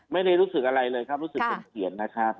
ไม่ได้รู้สึกอะไรเลยครับรู้สึกเป็นเขียนนะครับ